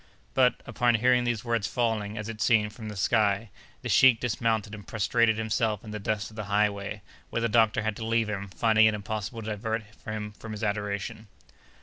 But, upon hearing these words falling, as it seemed, from the sky, the sheik dismounted and prostrated himself in the dust of the highway, where the doctor had to leave him, finding it impossible to divert him from his adoration.